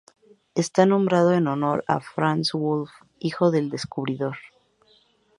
Está nombrado en honor de Franz Wolf, hijo del descubridor.